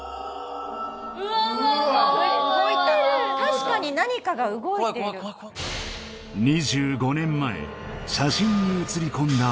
動いた確かに何かが動いている２５年前写真に写り込んだ女が